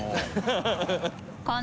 ハハハ